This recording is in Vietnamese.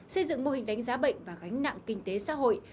xây dựng mô hình đánh giá bệnh và gánh nặng kinh tế xã hội